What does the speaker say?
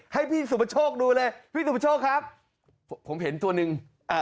ให้พี่สุปชกดูเลยพี่สุปชกครับผมเห็นตัวหนึ่ง